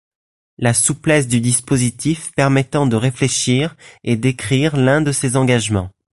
La souplesse du dispositif permettant de réfléchir et d'écrire l'un de ces engagements.